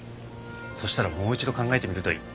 そしたらもう一度考えてみるといい。